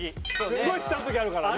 すごい下の時あるからね。